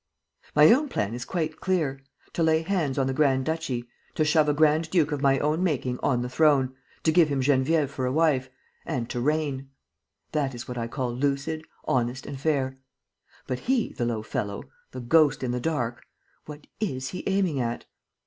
... My own plan is quite clear: to lay hands on the grand duchy, to shove a grand duke of my own making on the throne, to give him Geneviève for a wife ... and to reign. That is what I call lucid, honest and fair. But he, the low fellow, the ghost in the dark: what is he aiming at?"